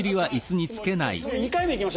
２回目いきましょう。